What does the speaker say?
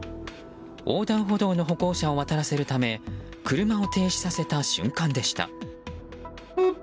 横断歩道の歩行者を渡らせるため車を停止させた瞬間でした。